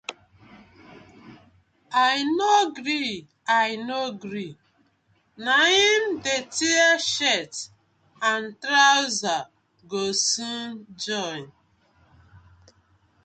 I no gree, I no gree, na im dey tear shirt and trouser go soon join.